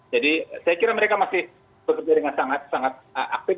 jadi saya kira mereka masih bekerja dengan sangat sangat aktif